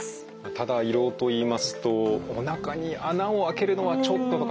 ただ胃ろうといいますとおなかに穴を開けるのはちょっととかね